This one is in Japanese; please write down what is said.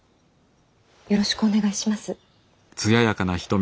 よろしくお願いします。